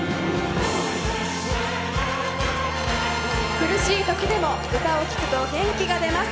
苦しいときでも歌を聴くと元気が出ます！